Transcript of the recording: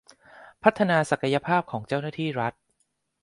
พัฒนาศักยภาพของเจ้าหน้าที่รัฐ